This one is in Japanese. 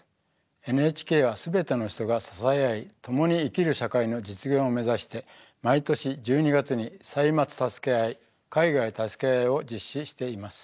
ＮＨＫは全ての人が支え合い共に生きる社会の実現を目指して毎年１２月に「歳末たすけあい」「海外たすけあい」を実施しています。